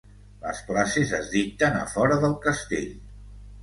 Les classes es dicten a fora del castell.